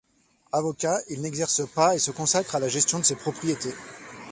Avocat, il n'exerce pas et se consacre à la gestion de ses propriétés.